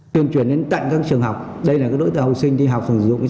tuyên truyền đến tận các trường học đây là đối tượng học sinh đi học